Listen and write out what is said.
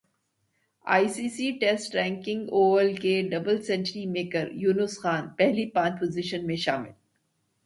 ئی C C test ranking Oval کے double century میکریونس خان پہلی پانچ پوزیشن میں شامل